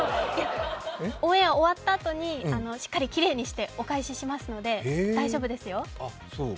オンエア終わったあとにしっかりきれいにしてお返ししますので、大丈夫ですよ。